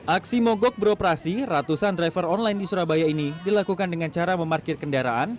aksi mogok beroperasi ratusan driver online di surabaya ini dilakukan dengan cara memarkir kendaraan